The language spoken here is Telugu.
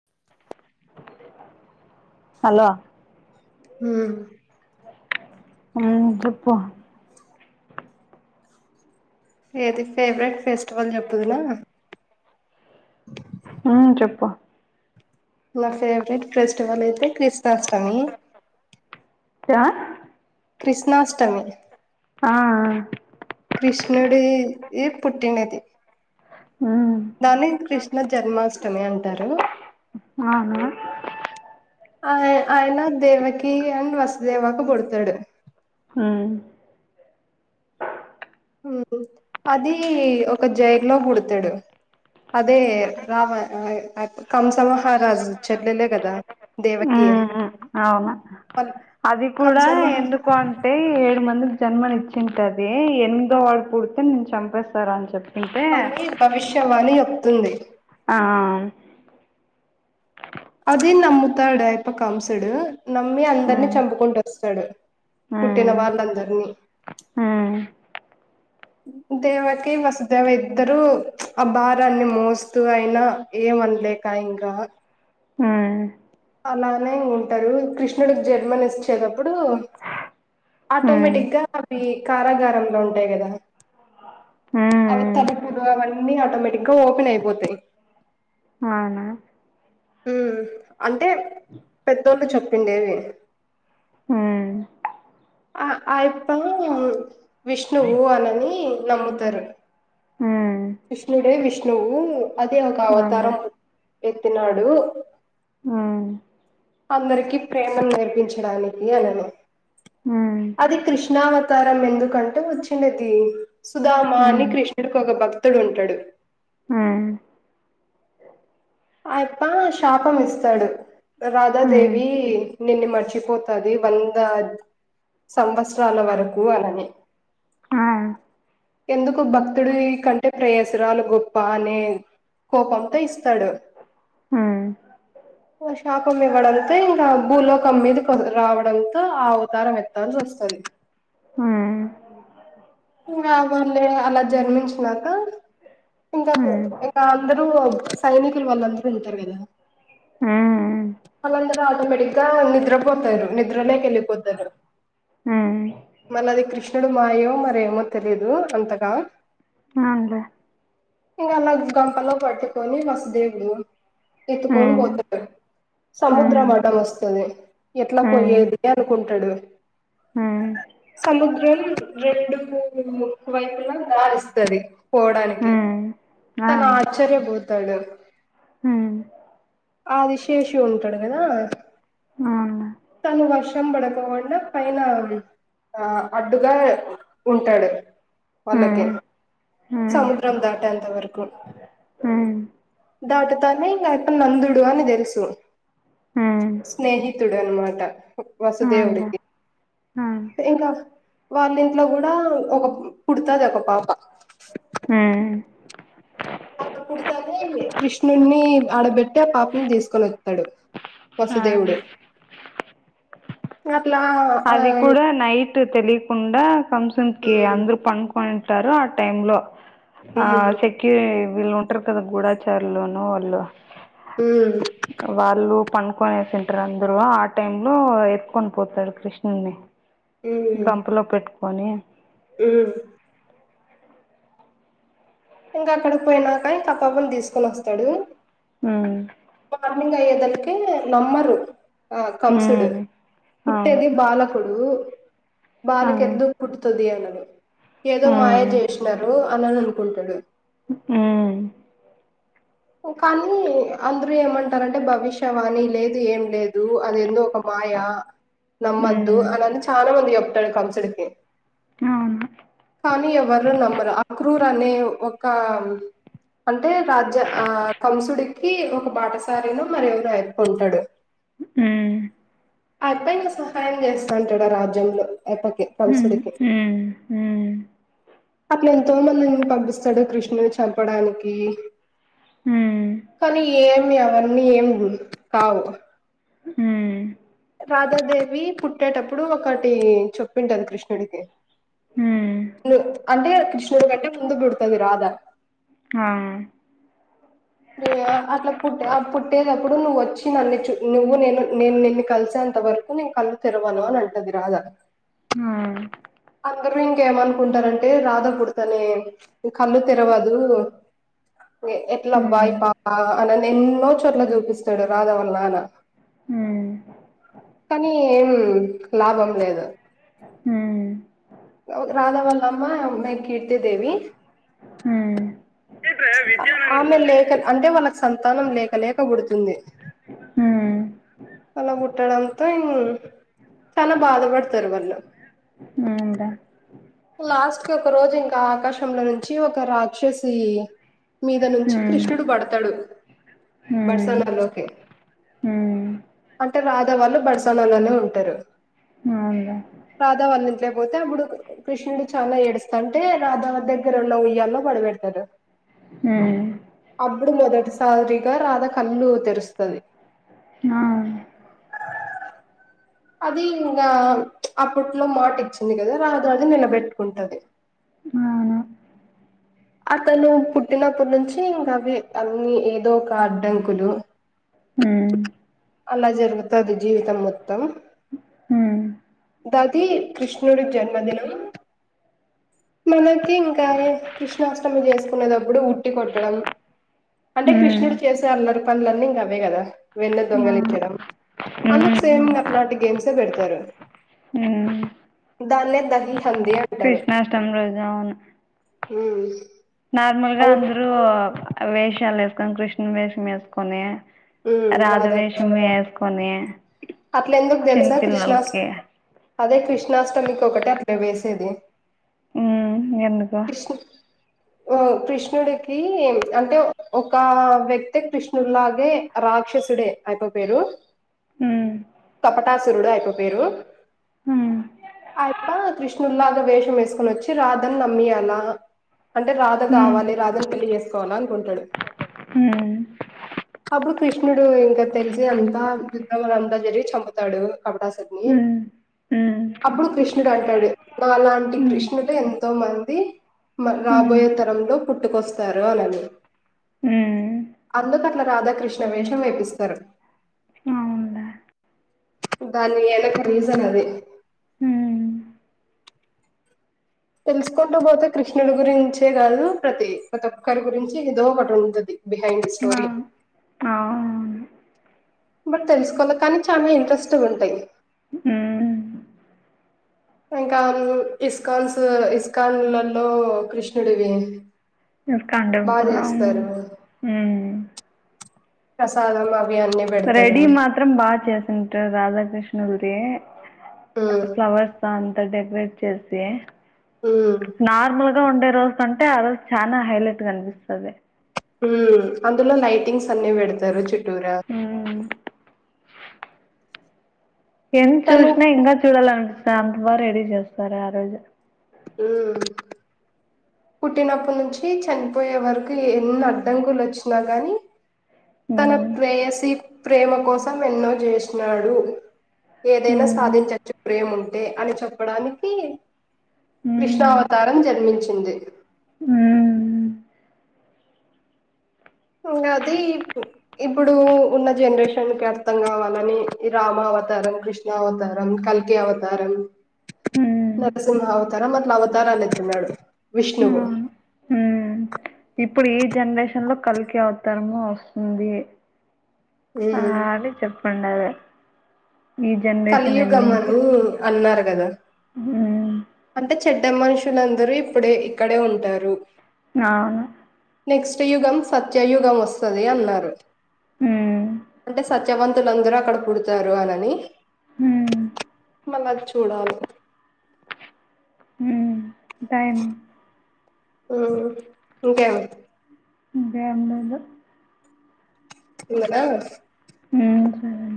[inaudible] హలో ఊ ఆ చెప్పు ఏది ఫేవరెట్ ఫెస్టివల్ చెప్పుదుల ఉమ్ చెప్పు ల ఫేవరెట్ ఫెస్టివల్ అయితే క్రిస్ణాష్టమి చ క్రిష్ణాష్టమి ఆ కృష్ణుడిది పుట్టినది ఉమ్ దాన్ని కృష్ణ జన్మాష్టమి అంటారు. అవునా ఆ ఆయన దేవకి అండ్ వసుదేవాకి పుడతడు ఊ ఊ అది ఒక జై లో పుడతడు అదే రావ కంస మహారాజు చెల్లెలే కదా దేవకి ఉమ్ అవును అది కూడా కంసమహ ఎందుకు అంటే ఏడు మంది ఉం జన్మనిచ్చింటది ఎనిమిదో వాడు పుడితే నేను చంపేస్తారని చెప్ అంతే అని భవిష్యవాణి చెప్తుంది ఆ అది నమ్ముతాడు అయప్ప కంసుడు నమ్మి అందరిని ఉమ్ చంపుకుంటూ వస్తాడు పుట్టిన వాళ్ళందరు ఊ [inaudible] దేవకి వసుదేవ ఇద్దరు అ భారాన్ని మోస్తూ అయినా ఏం మన్ లేకా ఇంకా ఉమ్ అలానే ఉంటారు కృష్ణుడికి జన్మని ఇచ్చేటప్పుడు ఉమ్ ఆటోమేటిక్ గా అవి కారాగారంలో ఉంటాయి కదా అవి ఉమ్ తలుపులు అవన్నీ ఆటోమేటిక్ గా ఓపెన్ అయిపోతాయి అవునా ఉ అంటే పెద్దోళ్ళు చెప్పిండేవి ఊ ఆ ఆయప్ప విష్ణువు అనని నమ్ముతారు ఉమ్ కృష్ణుడే విష్ణువు అదే ఒక అందే అవతారము ఎత్తినాడు ఉమ్ అందరికీ ప్రేమ నేర్పించడానికి అనేను ఉమ్ అది కృష్ణావతారం ఎందుకంటే వచ్చిందిది సుధామా అని హ్మ్. కృష్ణుడికి ఒక భక్తుడు ఉంటాడు ఆ అయప్ప శాపం ఇస్తాడు హ్మ్. రాధాదేవి నిన్ను మర్చిపోతది వంద సంవత్సరాల వరకు అనని ఆ! ఎందుకు భక్తుడి కంటే ప్రయాసరాలు గొప్ప అనే కోపంతో ఇస్తాడు ఆ శాకం ఇవ్వడంతో ఇంకా భూలోకం మీది రావడంతో ఆ అవతారం ఎత్తాల్సి వస్తది వస్తది హ్మ్. వాళ్ళలే అలా జన్మించినాక ఇంకా హ్మ్. ఇంకా అందరూ సైనికులు వాళ్ళందరూ ఉంటారు కదా హ్మ్. వాళ్ళందరూ ఆటోమేటిక్గా నిద్రపోతారు నిద్రలోకి వెళ్ళిపోతారు ఆ కృణుడు మాయో మరేమో తెలీదు అంతగా అవులే ఇంకా అలా గంపలో పట్టుకొని వసుదేవుడు ఎత్తుకొని హ్మ్. పోతారు హ్మ్. సముద్రము అడ్డం వస్తది ఎట్లా పోయేది అనుకుంటాడు ఆ సముద్రం రెండు వైపులా దారిస్తది పోడానికి హ్మ్. ఆ! తను ఆశ్చర్యపోతాడు హ్మ్. ఆదిశేషు ఉంటాడు కద అవునులే. తను వర్షం పడకోకుండా పైన ఆ అడ్డుగా ఉ నాడు వాలకి హ్మ్. సముద్రం దాటే అంతవరకు ఉమ్ దాటుతానే ఇంకా అప్ప నందుడు అని తెలుసు హ్మ్. హ్మ్. స్నేహి తుడన్ అన్నమాట అవునులే. వసుదేవుడికి హ్మ్. ఇంకా వాళ్ళ ఇంట్లో కూడా ఒక పుడుతది ఒక పాప ఆ అలా పుడతానే కృష్ణుడిని ఆడబెట్టి ఆ పాపని తీసుకొని వస్తాడు వసుదేవుడు ఆ! అట్లా ఆ అది కూడా నైట్ తెలియకుండా కంసన్ కి ఉమ్ అందరు పనుకొని ఉంటారు ఆ టైము లో ఆ ఉమ్ సెక్యూ వీళ్ళు ఉంటారు కదా గూడాచారులు నో వాళ్ళు ఉమ్ వాళ్ళు పనుకొనేసింటారు అందరు ఆ టైమ్ లో ఎత్తుకొని పోతాడు కృష్ణని గంపులో పెట్టుకొని ఆ ఇంగ అక్కడికి పోయినాక ఇంక పవన్ తీసుకొని వస్తాడు ఊ మార్నింగ్ అయ్యేతలికే నమ్మరు ఆ కంసుడు హ్మ్ అవును పుట్టేది బాలకుడు ఆ బాలికేందుకు పుట్టుతది అనని ఏదో మాయా హ్మ్ చేసినారు అనని అనుకుంటాడు ఉ కానీ అందరూ ఏమంటారంటే భవిష్యవాని లేదు ఏం లేదు అది ఎందో ఒక మాయా నమ్మద్దు హ్మ్ అనని చాలా మంది చెప్తాడు కంసుడికి అవును కానీ ఎవరు నమ్మరు అక్రూర్ కాని ఒక్క అంటే రాజ్య ఆ కంసుడికి ఒక బాటసారిలో మరి ఎవరో అయ్యప్ప ఉంటాడు హ్మ్ అయప్ప ఇంక సహాయం చేస్తాంటాడు ఆ రాజ్యంలో అయ్యప్పకి హ్మ్ కంసుడికి హ్మ్ హ్మ్ ఎంతో మందిని పంపిస్తాడు కృష్ణుని చంపడానికి కానీ ఏమి అవన్నీ ఏం కావు ఊ రాధాదేవి పుట్టేటప్పుడు ఒకటి చొప్పింటది కృష్ణుడికి ఊ అంటే కృష్ణూడు గంటే ముందుపుడతది రాధ ఆ రె అట్లా పుట్టే పుట్టేటప్పుడు నువ్ వచ్ నన్ను చు నువ్వు నేను నేను నిన్ను కలిసే అంత వరకు నేను కళ్ళు తెరవాను అని అంటది రాదా ఆ [inaudible] అందరూ ఇంకేమనుకుంటారంటే రాధ పుడతనే కళ్ళు తెరవదు నె ఎ ఎట్లబ్బాయి ఈ పాపా అనని ఎన్నో చోట్ల చూపిస్తాడు రాదా వాళ్ళ నాన్న కానీ ఏం లాభం లేదు రాధవాల్లమ్మ అమ్మాయికి కీర్తి దేవి ఆమె లేక అంటే వాళ్ళకి సంతానం లేకలేక పుడుతుంది అలా పుట్టడంతో చాలా బాధపడతరు వాళ్ళు ఊ రా లాస్ట్ కి ఒక రోజు ఇంకా ఆకాశంలో నుంచి ఒక రాక్షసి మీద నుంచి కృష్ణుడు పడతాడు బడ్సానా లోకి అంటే రాధా వాళ్ళు బడ్సాన లోనే ఉంటారు రాధ వాళ్ళ ఇంట్లోకి పోతే అప్పుడు కృష్ణుడు చాలా ఏడుస్తా అంటే రాధావరి దగ్గర ఉన్న ఉయ్యాలో పడ పెడతారు ఊ అప్పుడు మొదటిసారిగా రాధ కళ్ళు తెరుస్తది [inaudible] అది ఇంగ అప్పుట్లో మాట ఇచ్చింది కదా రాజాజి అది నిలబెట్టుకుంటది అవునా అతను పుట్టినప్పుటి నుంచి ఇంకా అవి అన్ని ఏదో ఒక అడ్డంకులు హ్మ్ అలా జరుగుతది జీవితం మొత్తం ఊ దది కృష్ణుడి జన్మదినం మనకి ఇంకా కృష్ణాష్టమి చేసుకునేటప్పుడు ఉట్టి కొట్టడం అంటే హ్మ్ కృష్ణుడు చేసే అల్లరి పనులన్నీ ఇంక అవే కదా వెన్నె ఆ దొంగలించడం అందుకు హ్మ్ సేమింగ అలాంటి గేమ్స్ ఎ పెడతారు హ్మ్ దాన్నే దహ కృష్ణాష్టమి రోజు అవును ఉ నార్మల్గా అందరు వేషాలు వేసుకొని కృష్ణుడి వేషం వేసుకొని ఉమ్ రాధ రాధాకృష్ణ వేషం వేసుకొని అట్ల ఎందుకు చిన్న తెల్సా కృష్ణస్టమి పిల్లలకి అదే కృష్ణాష్టమికి ఒకటే అట్ల వేసేది ఉ ఎందుకు కృష్ణ కృష్ణుడికి అంటే ఒక వ్యక్తి కృష్ణులాగే రా రాక్షసుడే అయప్ప పేరు ఉమ్ కపటాసురుడు అయప్ప పేరు ఉమ్ అయప్ప కృష్ణుల్లాగ వేష వచ్చి రాద ని నమ్మియల అంటే రాధ కావాలి రాధ పెళ్లి చేసుకోవాల [unintelligible] హు అప్పుడు కృష్ణుడు ఇంకా తెలిసి అంతా [unintelligible] అంతా జరిగి చంపుతాడు [unintelligible] ఉమ్ ఉమ్ అప్పుడు కృష్ణుడు అంటాడు అలాంటి కృష్ణుడు ఎంతో మంది ఉమ్ ఉమ్ రాబోయే తరంలో పుట్టుకొస్తారు అని హు అందుకట్ల రాధాకృష్ణ వేషం వేపిస్తారు అవునులే దాని వెనక రీజన్ అదే ఉమ్ తెలుసుకుంటూ పోతే కృష్ణుడి గురించే కాదు ప్రతి ప్రతి ఒక్కరి గురించి ఏదో ఒకటి ఉంటది బిహైండ్ ఆ స్టోరి అవును బట్ తెలుసుకోల కానీ చాలా ఇంట్రెస్ట్ గా ఉంటాయి ఉమ్ ఇంకా ఇస్కాన్స్ ఇస్కాన్లలో కృష్ణుడివి ఇస్కాన్ బాగా టెంపుల్ చేస్తారు ప్రసాధం రెడీ మాత్రం బాగా చేసింటారు రాధాకృష్ణ గుడి ఉమ్, ఫ్లవర్స్ తో అంత డెకరేట్ చేసి ఉమ్. నార్మల్ గా ఉం రోజు ఉంటే ఆ రోజు చాన హైలైట్ కనిపిస్తది అందులో లైటింగ్స్ అన్ని పెడతారు చుట్టూరా హ్మ్ ఎంత తను చూసినా ఇంకా చూడాలనిపిస్త అంతవా రెడీ చేస్తారు ఆ రోజు ఊ పుట్టినప్పటి నుంచి చనిపోయే వరకు ఎన్ని అడ్డంకలు వచ్చినా గాని తన హ్మ్ ప్రేయసీ ప్రేమ కోసం ఎన్నో చేసినాడు ఏదైనా హ్మ్ సాధించచ్చు ప్రేము ఉంటే అని చెప్పడానికి కృష్ణావతారం జన్మించింది ఊ అది ఇప్పుడు ఉన్న జనరేషన్ కి అర్థం కావాలని రామా అవతారం కృష్ణ అవతారం కల్కి అవతారం హ్మ్ నరసింహ అవతారం అట్లా అవ [unintelligible] ఎత్తిన్నాడు విష్ణువు అవును హ్మ్ ఇప్పుడు ఈ జనరేషన్ లో కలికి అవతరము వస్తుంది ఆ ఉమ్ [unintelligible] చెప్పండి ఎండింగ్ కి కలియుగమని అన్నారు కదా హ్మ్ ఇద్ద మనుషులందరూ ఇప్పుడే ఇక్కడే ఉంటారు ఆ నెక్స్ట్ యుగం సత్యయుగం వస్తది అన్నారు హ్మ్ అంటే సత్యవంతులన్దరూ అక్కడ పుడతారు అనని ఉమ్ మల్లది చూడాల ఉమ్ టైమ్ ఉమ్ ఇంకేమి అంటే అందలో ఇంగనా ఉమ్